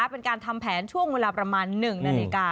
เป็นการทำแผนช่วงเวลาประมาณ๑นาฬิกา